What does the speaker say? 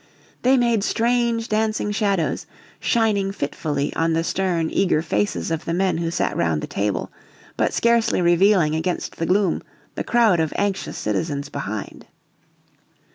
They made strange dancing shadows, shining fitfully on the stern, eager faces of the men who sat round the table, but scarcely revealing against the gloom the crowd of anxious citizens behind.